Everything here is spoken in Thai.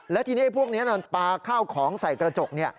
แล้วทีนี้พวกนี้มันปลาข้าวของใส่กระจก